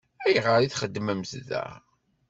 Ayɣer i txeddmemt da?